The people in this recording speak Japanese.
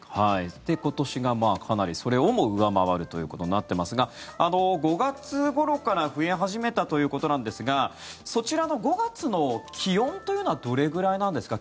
今年がかなり、それをも上回るということになっていますが５月ごろから増え始めたということなんですがそちらの５月の気温というのはどれぐらいなんですか？